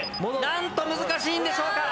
なんと難しいんでしょうか。